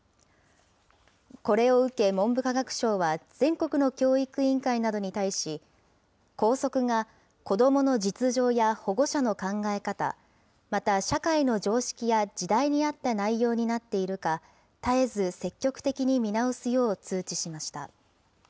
これを受け文部科学省は、全国の教育委員会などに対し、校則が子どもの実情や保護者の考え方、また社会の常識や時代に合った内容になっているか、絶えず積極的に見直すよう通知しました。